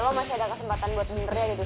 biasa orang lembur orang kampung gitu